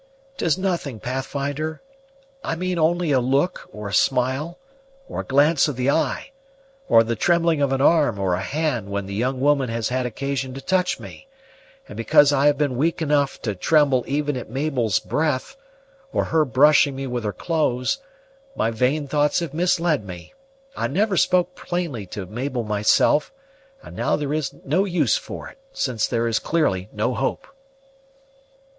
"'Tis nothing, Pathfinder. I mean only a look, or a smile, or a glance of the eye, or the trembling of an arm or a hand when the young woman has had occasion to touch me; and because I have been weak enough to tremble even at Mabel's breath, or her brushing me with her clothes, my vain thoughts have misled me. I never spoke plainly to Mabel myself, and now there is no use for it, since there is clearly no hope."